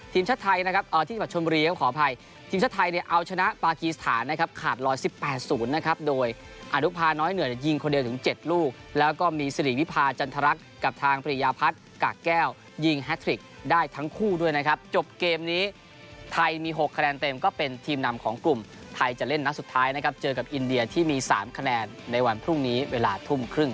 ทีมชาติไทยนะครับที่บัตรชนบุรีก็ขออภัยทีมชาติไทยเอาชนะปากีสถานนะครับขาดรอย๑๘๐นะครับโดยอารุภาน้อยเหนือยิงคนเดียวถึง๗ลูกแล้วก็มีสิริวิพาจันทรักกับทางปริยาพัฒน์กากแก้วยิงแฮทริกได้ทั้งคู่ด้วยนะครับจบเกมนี้ไทยมี๖คะแนนเต็มก็เป็นทีมนำของกลุ่มไทยจะเล่นนักสุดท